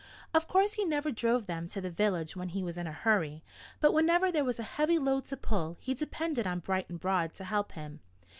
Of course he never drove them to the village when he was in a hurry. But whenever there was a heavy load to pull he depended on Bright and Broad to help him.